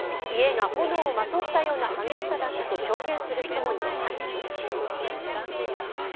家が炎をまとったような激しさだったと証言する人もいました。